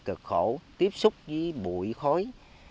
cực khổ tiếp xúc với bụi khối